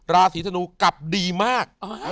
ราศีธนูกลับดีมาก